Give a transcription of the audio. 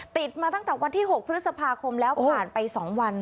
ติดมาตั้งแต่วันที่๖พฤษภาคมแล้วผ่านไป๒วัน